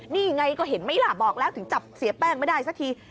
นี่ไงก็เห็นไหมล่ะบอกแล้วถึงจับเสียแป้งไม่ได้สักที